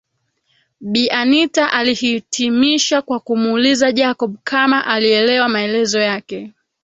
Bi Anita alihitimisha kwa kumuuliza Jacob kama alielewa maelezo yake